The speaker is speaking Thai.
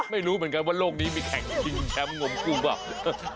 ไม่รู้เหมือนกันว่าโลกนี้มีแข่งชิงแชมป์งมกู้เปล่า